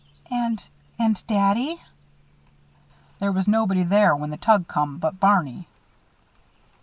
"And and daddy?" "There was nobody there when the tug come but Barney."